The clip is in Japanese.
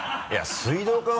水道管を。